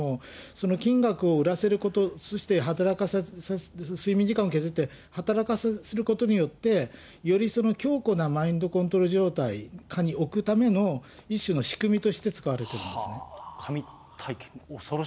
その金額を売らせること、そして睡眠時間を削って働かせることによって、より強固なマインドコントロール状態下に置くための、一種の仕組みとして使われてるんですね。